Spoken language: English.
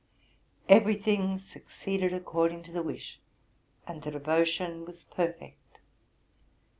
Every thing succeeded according to the wish, and the devotion was perfect.